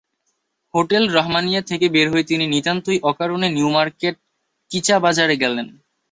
Hotel Rahmania থেকে বের হয়ে তিনি নিতান্তই অকারণে নিউমার্কেটকীচা-বাজারে গেলেন।